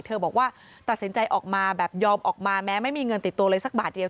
บอกว่าตัดสินใจออกมาแบบยอมออกมาแม้ไม่มีเงินติดตัวเลยสักบาทเดียว